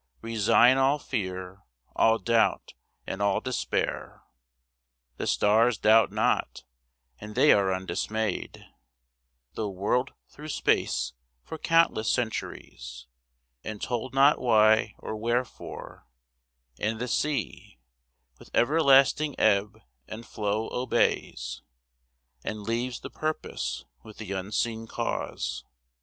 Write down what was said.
Resign all fear, all doubt, and all despair. The stars doubt not, and they are undismayed, Though whirled through space for countless centuries, And told not why or wherefore: and the sea With everlasting ebb and flow obeys, And leaves the purpose with the unseen Cause.